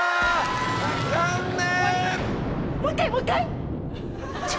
残念！